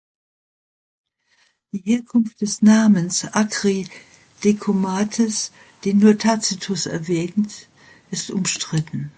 Die Herkunft des Namens "agri decumates", den nur Tacitus erwähnt, ist umstritten.